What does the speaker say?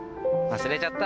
忘れちゃった。